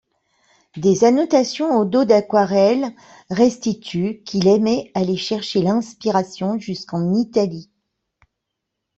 Des annotations au dos d'aquarelles restituent qu'il aimait aller chercher l'inspiration jusqu'en Italie.